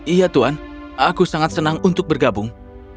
iya tuhan aku sangat senang untuk bergabung